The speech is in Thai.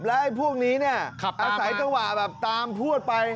แล้วไอ้พวกนี้เนี่ยอาศัยจังหวะแบบตามพวดไป